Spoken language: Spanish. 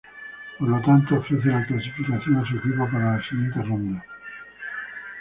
Por lo tanto, ofrece la clasificación a su equipo para la siguiente ronda.